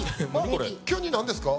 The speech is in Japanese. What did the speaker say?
これ急に何ですか？